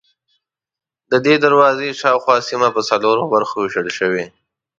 ددې دروازې شاوخوا سیمه په څلورو برخو وېشل شوې ده.